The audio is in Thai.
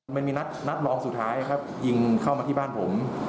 มันมีนัดรองสุดท้ายครับยิงเข้ามาที่บ้านผม